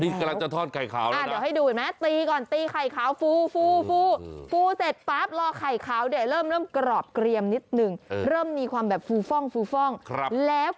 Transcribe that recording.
นี่กำลังจะทอดไข่ขาวน่ะนะเอาเดี๋ยวได้ไหมนะ